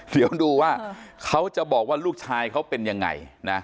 เดี๋ยวดูว่าเขาจะบอกว่าลูกชายเขาเป็นยังไงนะ